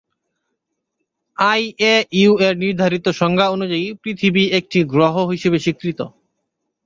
IAU এর নির্ধারিত সংজ্ঞা অনুযায়ী, পৃথিবী একটি "গ্রহ" হিসেবে স্বীকৃত।